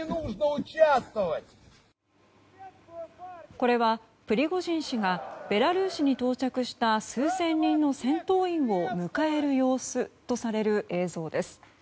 これはプリゴジン氏がベラルーシに到着した数千人の戦闘員を迎える様子とされる映像です。